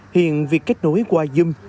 hiện việc kết nối qua dùm